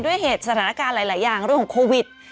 ด้วยเหตุสถานการณ์หลายอย่างเรื่องของโควิด